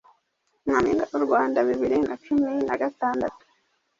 Nyampinga w’u Rwanda bibiri nacumi nagatandatu